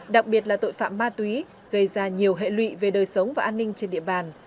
đặc biệt là tội phạm ma túy gây ra nhiều hệ lụy về đời sống và an ninh trên địa bàn